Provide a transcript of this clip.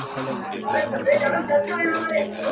د زورور اوبه په پېچومي خېژي.